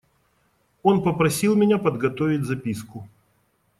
Он попросил меня подготовить записку.